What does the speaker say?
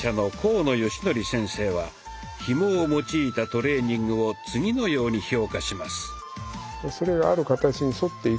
善紀先生はひもを用いたトレーニングを次のように評価します。